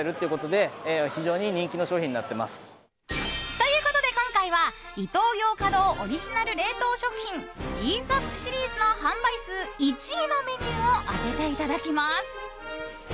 ということで、今回はイトーヨーカドーオリジナル冷凍食品ＥＡＳＥＵＰシリーズの販売数１位のメニューを当てていただきます。